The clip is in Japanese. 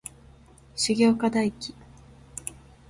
重岡大毅